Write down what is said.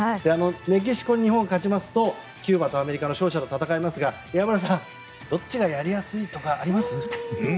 メキシコに日本が勝ちますとキューバとアメリカの勝者と戦いますが、岩村さんどっちがやりやすいとかあります？